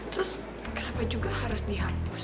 terus kenapa juga harus di hapus